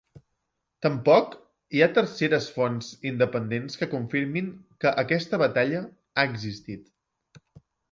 Tampoc hi ha terceres fonts independents que confirmin que aquesta batalla ha existit.